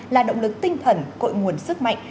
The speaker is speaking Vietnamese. là động lực tinh thần cội nguồn sức mạnh